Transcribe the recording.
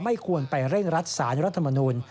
ไม่ควรไปเร่งรัดสารรัฐมนูล